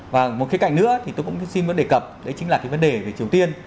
và một cái cạnh nữa thì tôi cũng xin muốn đề cập đấy chính là cái vấn đề về triều tiên